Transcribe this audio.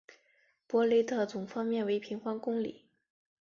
博雷的总面积为平方公里。